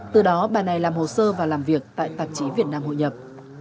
từ đó bà này làm hồ sơ và làm việc tại tạp chí việt nam hội nhập